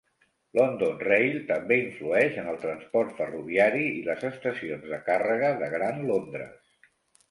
London Rail també influeix en el transport ferroviari i les estacions de càrrega de Gran Londres.